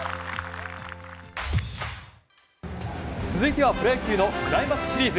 続いてはプロ野球のクライマックスシリーズ。